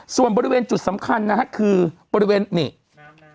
ส่วนบริเวณจุดสำคัญนะฮะคือบริเวณนี่